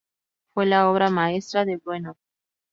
Fue la obra maestra de Bruenor.